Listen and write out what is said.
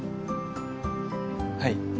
はい。